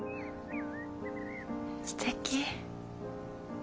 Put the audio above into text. すてき。